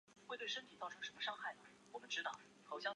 阿圭亚尔是巴西帕拉伊巴州的一个市镇。